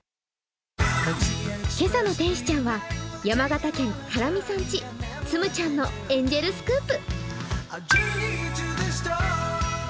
今朝の天使ちゃんは山形県はらみさん家つむちゃんのエンジェルスクープ。